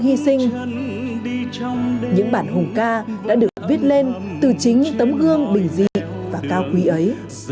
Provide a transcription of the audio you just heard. những bản hùng ca đã được viết lên từ chính những tấm gương bình dị và cao quý ấy